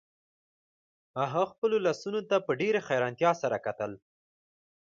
هغه خپلو لاسونو ته په ډیره حیرانتیا سره کتل